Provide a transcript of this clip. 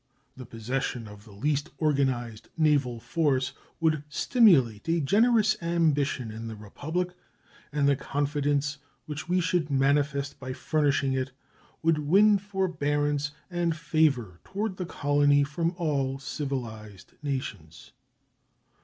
The possession of the least organized naval force would stimulate a generous ambition in the Republic, and the confidence which we should manifest by furnishing it would win forbearance and favor toward the colony from all civilized nations.